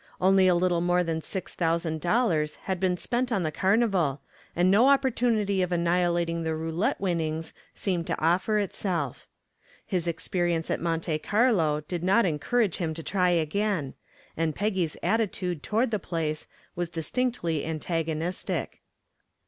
Only a little more than six thousand dollars had been spent on the carnival and no opportunity of annihilating the roulette winnings seemed to offer itself. His experience at Monte Carlo did not encourage him to try again, and Peggy's attitude toward the place was distinctly antagonistic.